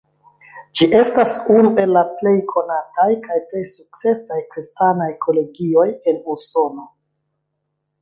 Ĝi estas unu el la plej konataj kaj plej sukcesaj kristanaj kolegioj en Usono.